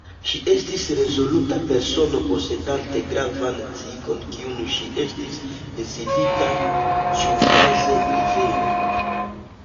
Ŝi estis rezoluta persono, posedante gravan sciigon, kiun ŝi estis decidinta ĉiuokaze liveri.